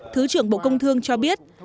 thứ trưởng bộ công thương cho biết